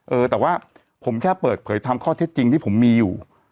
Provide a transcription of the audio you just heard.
เออแต่ว่าผมแค่เปิดเผยทำข้อเท็จจริงที่ผมมีอยู่